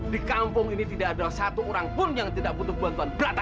di kampung ini tidak ada satu orang pun yang tidak butuh bantuan berat